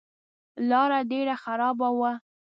لاره ډېره خرابه وه.